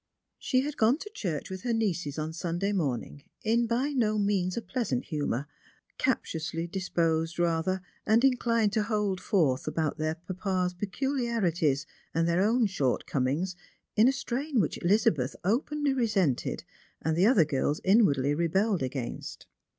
She had gone to church witii her nieces on Sunday morning in by no means a pleasant hiimour, captiously disposed rather, and inclined to hold forth about their papa's pecuiarities and their own shortcomings in a strain which Elizabeth openly resented, and the other girls inwardly rebelled agairtst.